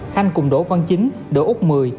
khanh cùng đỗ văn chính đỗ úc mười